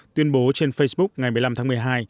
tuyên bố trên facebook ngày một mươi năm tháng một mươi hai